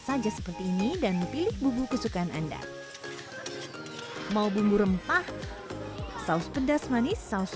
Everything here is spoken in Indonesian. saja seperti ini dan memilih bumbu kesukaan anda mau bumbu rempah saus pedas manis saus